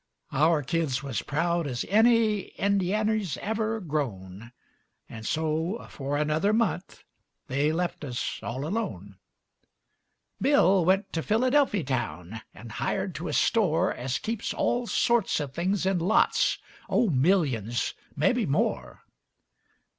Our kids wuz proud as eny Indiany's ever grown, And so, afore another month They left us all alone. Bill went to Philadelphy town And hired to a store As keeps all sorts o' things in lots, Oh, millions, mebby more.